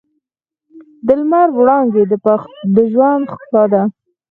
د لمر وړانګې د ژوند ښکلا ده.